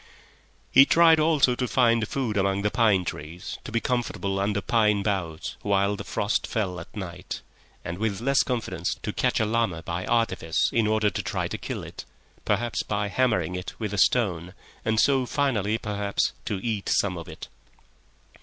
.... He tried also to find food among the pine trees, to be comfortable under pine boughs while the frost fell at night, and—with less confidence—to catch a llama by artifice in order to try to kill it—perhaps by hammering it with a stone—and so finally, perhaps, to eat some of it.